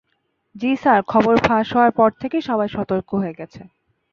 জ্বি স্যার, খবর ফাঁস হওয়ার পর থেকেই সবাই সতর্ক হয়ে গেছে।